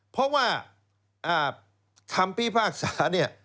เพราะว่าอ่าทำปีภาคสาเนี่ย